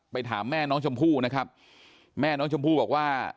ถามแม่น้องชมพู่นะครับแม่น้องชมพู่บอกว่า